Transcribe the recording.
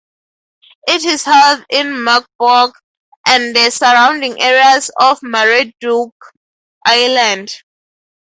It is held in Mogpog and the surrounding areas of Marinduque island.